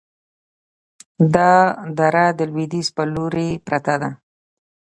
دا دره د لویدیځ په لوري پرته ده،